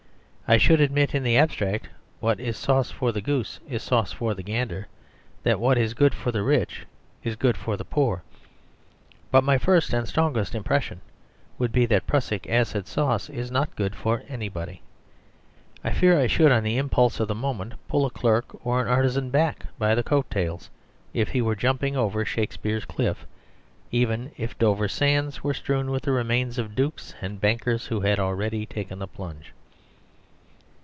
I should admit in the abstract that what is sauce for the goose is sauce for the gander ; that what is good for the rich is good for the poor; but my first and strongest im pression would be that prussic acid sauce is not good for anybody. I fear I should, on the impulse of the moment, pull a poor clerk or artisan back by the coat tails, if he were jump ing over Shakespeare's Cliff, even if Dover sands were strewn with the remains of the 84 The Superstition of Divorce dukes and bankers who had already taken the plunge.